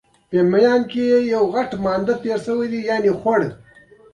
یحیی په سپوږمیز کال کې له ملګرو سره ووژل شو.